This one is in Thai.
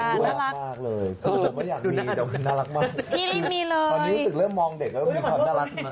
ตอนนี้รู้สึกเริ่มมองเด็กแล้วมันมีความน่ารัก